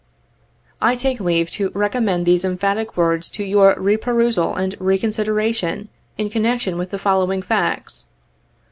'' I take leave to recommend these emphatic words to your re perusal and re consideration in connection with the following facts.